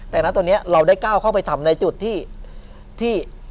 แต่งั้นตัวเนี่ยเราได้กล้าวเข้าไปทำในจุดที่